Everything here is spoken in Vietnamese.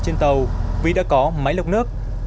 trên tàu vì đã có máy lọc nước